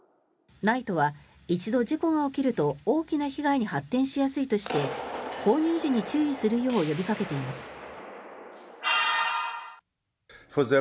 ＮＩＴＥは、一度事故が起きると大きな被害に発展しやすいとして購入時に注意するよう呼びかけています。